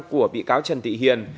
của bị cáo trần thị hiền